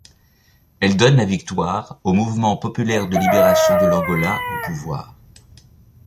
Elles donnent la victoire au Mouvement populaire de libération de l'Angola, au pouvoir.